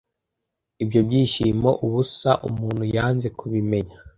Ibyo byishimo ubusa umuntu yanze kubimenya,